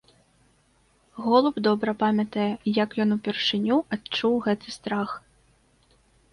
Голуб добра памятае, як ён упершыню адчуў гэты страх.